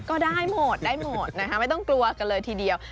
ก็ได้หมดได้หมดนะคะไม่ต้องกลัวกันเลยทีเดียว